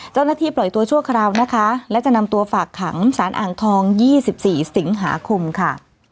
เจ้าหน้าที่ปล่อยตัวชั่วคราวนะคะและจะนำตัวฝากขังสารอ่างทอง๒๔สิงหาคมค่ะ